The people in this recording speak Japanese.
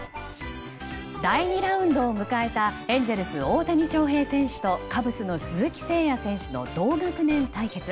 第２ラウンドを迎えたエンゼルス、大谷翔平選手とカブスの鈴木誠也選手の同学年対決。